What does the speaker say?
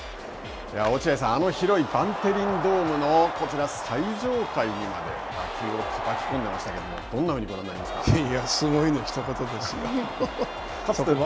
落合さん、バンテリンドームのこちら、最上階にまで打球をたたき込んでいましたけど、どんなふうにご覧すごいのひと言ですよ。